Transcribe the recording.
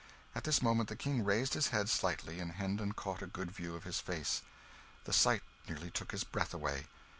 At this moment the King raised his head slightly, and Hendon caught a good view of his face. The sight nearly took his breath away!